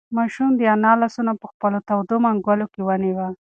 ماشوم د انا لاسونه په خپلو تودو منگولو کې ونیول.